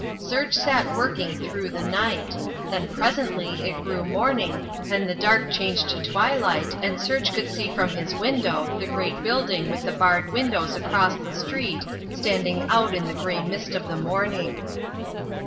Serge sat working through the night. Then presently it grew morning and the dark changed to twilight and Serge could see from his window the great building with the barred windows across the street standing out in the grey mist of the morning.